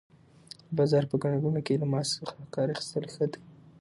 د بازار په ګڼه ګوڼه کې له ماسک څخه کار اخیستل ښه دي.